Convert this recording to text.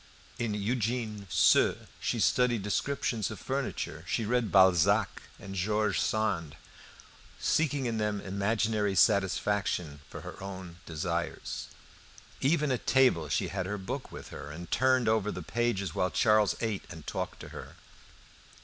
In Eugene Sue she studied descriptions of furniture; she read Balzac and George Sand, seeking in them imaginary satisfaction for her own desires. Even at table she had her book by her, and turned over the pages while Charles ate and talked to her.